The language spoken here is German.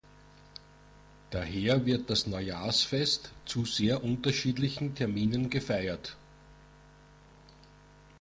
Daher wird das Neujahrsfest zu sehr unterschiedlichen Terminen gefeiert.